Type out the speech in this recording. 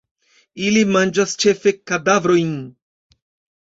Ili manĝas ĉefe kadavraĵojn.